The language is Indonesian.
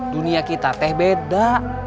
dunia kita teh beda